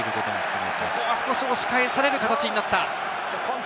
ここは少し押し返される形になった。